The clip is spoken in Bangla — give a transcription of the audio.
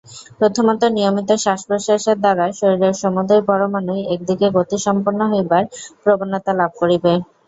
প্রথমত নিয়মিত শ্বাসপ্রশ্বাসের দ্বারা শরীরের সমুদয় পরমাণুই একদিকে গতিসম্পন্ন হইবার প্রবণতা লাভ করিবে।